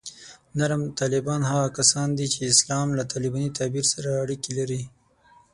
نرم طالبان هغه کسان دي چې د اسلام له طالباني تعبیر سره اړیکې لري